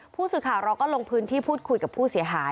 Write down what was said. ผู้สื่อข่าวเราก็ลงพื้นที่พูดคุยกับผู้เสียหาย